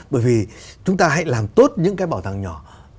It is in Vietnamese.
bởi vì chúng ta hãy làm tốt những cái bảo tàng nhỏ